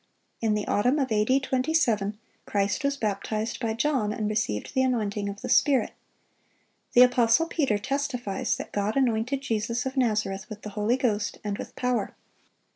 In the autumn of A.D. 27, Christ was baptized by John, and received the anointing of the Spirit. The apostle Peter testifies that "God anointed Jesus of Nazareth with the Holy Ghost and with power."